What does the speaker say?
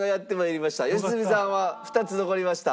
良純さんは２つ残りました。